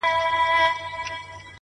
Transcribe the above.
هغه نجلۍ سندره نه غواړي’ سندري غواړي’